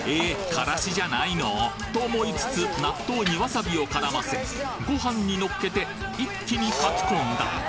からしじゃないの？と思いつつ納豆にわさびを絡ませご飯にのっけて一気にかきこんだ